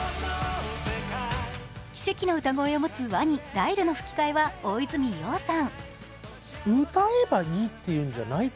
奇跡の歌声を持つワニ、ライルの吹き替えは大泉洋さん。